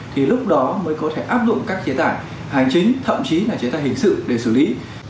thì lúc đó mới có thể áp dụng các chế tải hành chính thậm chí là chế tài hình sự để xử lý